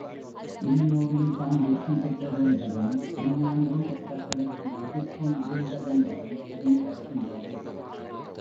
இருநூறு இல் தான் வெற்றி பெற்றதென்பதும் அஞ்ஞான்றும் அவர்களுக்கு எதிர்ப்பு இருந்ததென்பதும் தெரியவருகின்றது.